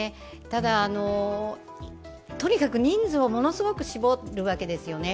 ただ、とにかく人数をものすごく絞るわけですよね。